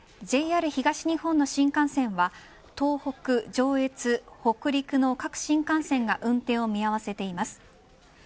ＪＲ東日本の新幹線は東北、上越、北陸の各新幹線が運転を見合わせています。